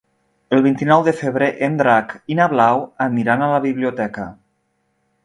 El vint-i-nou de febrer en Drac i na Blau aniran a la biblioteca.